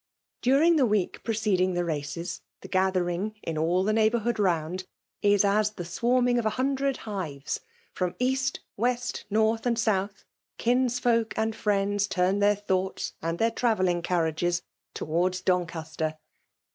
' Diodng the wieek precedmg the races, tile gitfliering, in all the neighbourhood rotmd/is : as the svaitmng of a hundred hives; ftofa . east^ west> north, and south, ' kinsfolk add irittds iXBtn their thoughts and their trayelliiig carriages towards Doncaster.